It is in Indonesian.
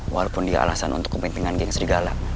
walaupun dia alasan untuk pimpinan geng serigala